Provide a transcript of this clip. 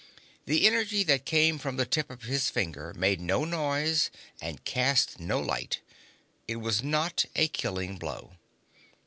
The energy that came from the tip of his finger made no noise and cast no light. It was not a killing blow.